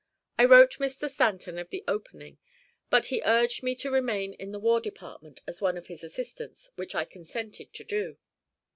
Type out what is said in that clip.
I wrote Mr. Stanton of the opening, but he urged me to remain in the War Department as one of his assistants, which I consented to do.